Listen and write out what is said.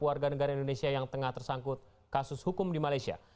warga negara indonesia yang tengah tersangkut kasus hukum di malaysia